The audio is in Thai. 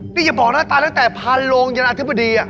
นี่อย่าบอกนะตายตั้งแต่พันโลงยาธิบดีอะ